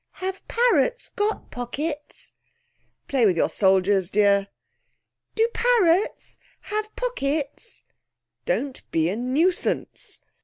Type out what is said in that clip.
'Have parrots got pockets?' 'Play with your soldiers, dear.' 'Do parrots have pockets?' 'Don't be a nuisance.'